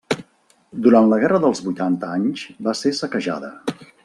Durant la guerra dels vuitanta anys va ser saquejada.